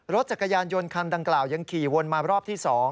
รถจักรยานยนต์คันดังกล่าวยังขี่วนมารอบที่๒